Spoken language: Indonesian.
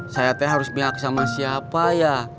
saya harus bilang sama siapa ya